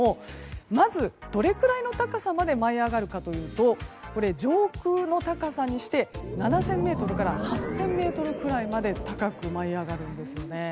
まず、どれくらいの高さまで舞い上がるかというと上空の高さにして７０００ｍから８０００ｍくらいまで高く舞い上がるんですね。